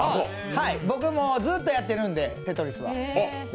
僕ずっとやってるんで、「テトリス」。